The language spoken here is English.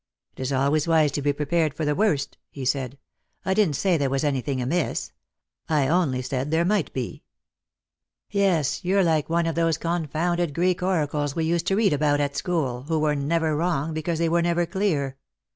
"It is always wise to be prepared for the worst," he said. "I didn't say there was anything amiss. I only said there might be." " Yes, you're like one of those confounded Greek oracles we used to read about at school, who were never wrong, because they were never clear.